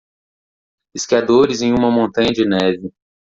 Esquiadores em uma montanha de neve.